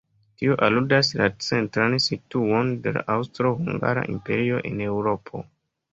Tio aludas la centran situon de la Aŭstro-Hungara imperio en Eŭropo.